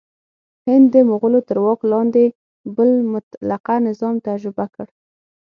هند د مغولو تر واک لاندې بل مطلقه نظام تجربه کړ.